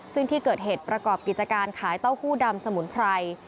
ซึ่งที่เกิดเหตุประกอบกิจการขายเต้าหู้ดำสมุนไพร